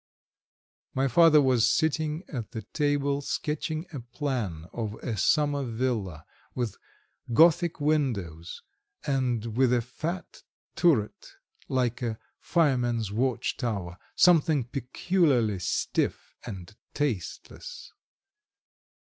My father was sitting at the table sketching a plan of a summer villa, with Gothic windows, and with a fat turret like a fireman's watch tower something peculiarly stiff and tasteless.